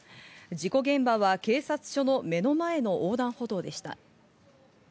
事故現場は警察署の目の前の横断歩道でした。